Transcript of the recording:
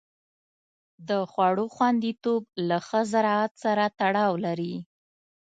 د خوړو خوندیتوب له ښه زراعت سره تړاو لري.